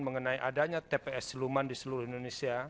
mengenai adanya tps siluman di seluruh indonesia